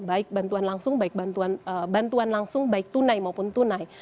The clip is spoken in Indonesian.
baik bantuan langsung baik bantuan langsung baik tunai maupun tunai